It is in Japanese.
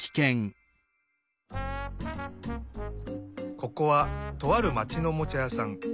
ここはとあるまちのおもちゃやさん。